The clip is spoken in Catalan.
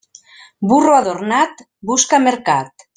Burro adornat busca mercat.